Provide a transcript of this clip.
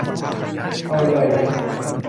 โชว์เลย